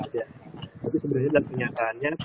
tapi sebenarnya dalam kenyataannya